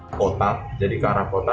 ke kota jadi ke arah kota